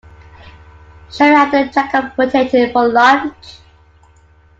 Shall we have a jacket potato for lunch?